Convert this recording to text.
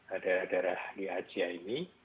ada darah di asia ini